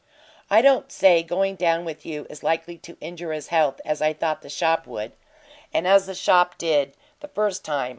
I don't say going down with you is likely to injure his health, as I thought the shop would, and as the shop did, the first time.